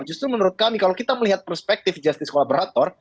justru menurut kami kalau kita melihat perspektif justice kolaborator